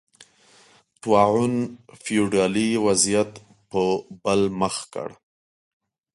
طاعون فیوډالي وضعیت په بل مخ کړ.